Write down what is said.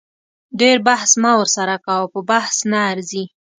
ډیر بحث مه ورسره کوه په بحث نه ارزي